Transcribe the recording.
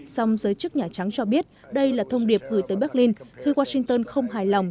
song giới chức nhà trắng cho biết đây là thông điệp gửi tới berlin khi washington không hài lòng